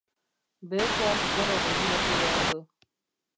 Behekoak gora begiratu behar du.